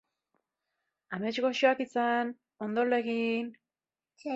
Amets goxoak izan, ondo lo egin!